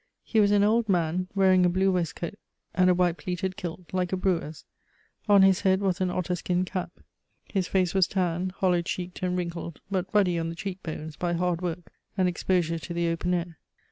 He was an old man, wearing a blue waistcoat and a white pleated kilt, like a brewer's; on his head was an otter skin cap. His face was tanned, hollow cheeked, and wrinkled, but ruddy on the cheek bones by hard work and exposure to the open air.